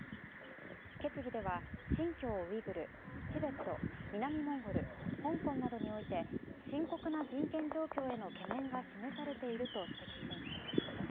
決議では、新疆ウイグルチベット、南モンゴル香港などにおいて深刻な人権状況への懸念が示されていると指摘しています。